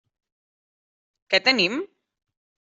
Què tenim?